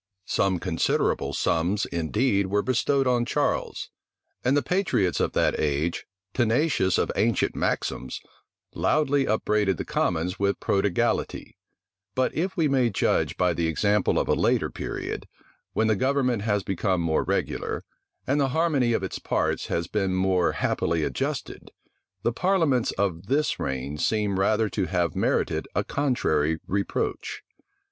Some considerable sums, indeed, were bestowed on Charles; and the patriots of that age, tenacious of ancient maxims, loudly upbraided the commons with prodigality; but if we may judge by the example of a later period, when the government has become more regular, and the harmony of its parts has been more happily adjusted, the parliaments of this reign seem rather to have merited a contrary reproach.